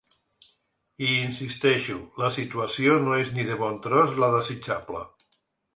Hi insisteixo, la situació no és ni de bon tros la desitjable.